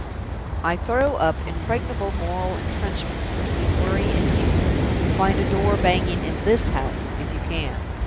I throw up impregnable moral intrenchments between Worry and You. Find a door banging in this house, if you can!